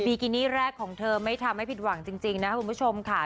กินี่แรกของเธอไม่ทำให้ผิดหวังจริงนะครับคุณผู้ชมค่ะ